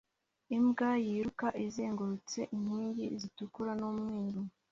imbwa yiruka izengurutse inkingi zitukura n'umweru